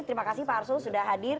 terima kasih pak arsul sudah hadir